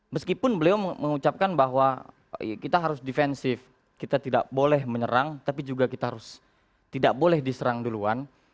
meskipun beliau mengucapkan bahwa kita harus defensif kita tidak boleh menyerang tapi juga kita harus tidak boleh diserang duluan